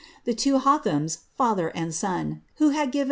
The two Hotliains, fattier and son, who had given i?